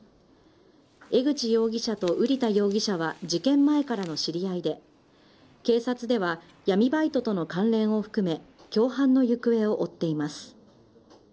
江口容疑者と瓜田容疑者は事件前からの知り合いで警察では闇バイトとの関連を含め共犯の行方を追っています。